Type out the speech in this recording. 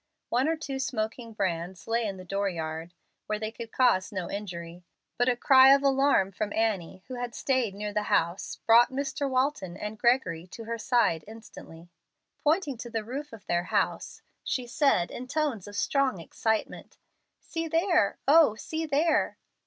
One or two smoking brands lay in the door yard, where they could cause no injury. But a cry of alarm from Annie, who had stayed nearer the house, brought Mr. Walton and Gregory to her side instantly. Pointing to the roof of their house, she said, in tones of strong excitement, "See there oh, see there!"